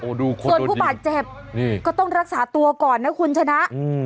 ส่วนคนส่วนผู้บาดเจ็บนี่ก็ต้องรักษาตัวก่อนนะคุณชนะอืม